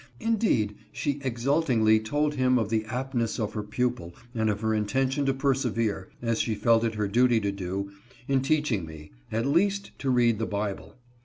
Indeed, she exultingly told him of the aptness of her pupil and of her intention to persevere, as she felt it her duty to do, in teaching me, at least, to read the Bible.